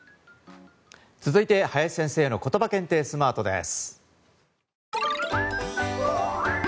続いて林先生のことば検定スマートです。